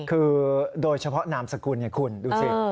คือโดยเฉพาะนามสกุลคุณดูสิ